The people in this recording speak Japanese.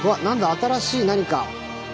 新しい何か。